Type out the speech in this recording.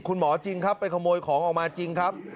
จริงครับไปขโมยของออกมาจริงครับ